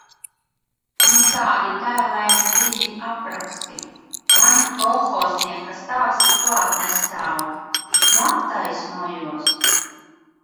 Nu tādi tēlaini dziļi apraksti... Mani kolhoznieka stāsti klāt nestāv. Nu attaisnojos!